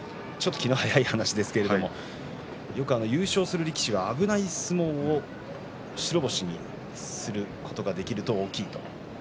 気が早いですが優勝する力士は危ない相撲を白星にすることができると大きいと。